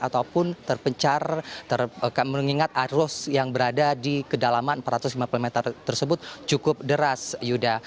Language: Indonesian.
ataupun terpencar mengingat arus yang berada di kedalaman empat ratus lima puluh meter tersebut cukup deras yuda